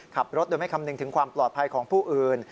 ขับรถโดยไม่คำนึงถึงความปลอดภัยของผู้อื่น